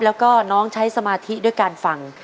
แล้วก็น้องใช้สมาธิด้วยการฟัง